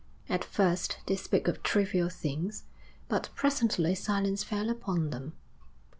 At first they spoke of trivial things, but presently silence fell upon them.